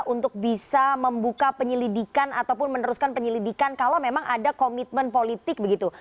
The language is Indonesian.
untuk bisa membuka penyelidikan ataupun meneruskan penyelidikan kalau memang ada komitmen politik begitu